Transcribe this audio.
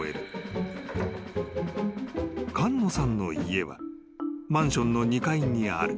［菅野さんの家はマンションの２階にある］